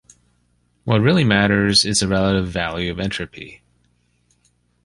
What really matters is the relative value of entropy.